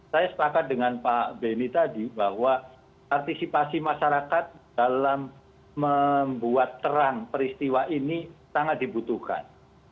saya sepakat dengan pak beni tadi bahwa partisipasi masyarakat dalam membuat terang peristiwa ini sangat dibutuhkan